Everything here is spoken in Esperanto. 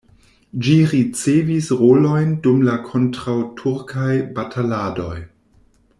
Ĝi ricevis rolojn dum la kontraŭturkaj bataladoj.